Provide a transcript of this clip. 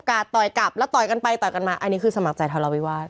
ต่อยกลับแล้วต่อยกันไปต่อยกันมาอันนี้คือสมัครใจทะเลาวิวาส